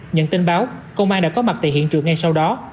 nhận tin báo công an đã có mặt tại hiện trường ngay sau đó